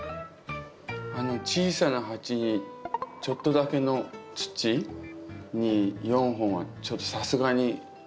あの小さな鉢にちょっとだけの土に４本はちょっとさすがに。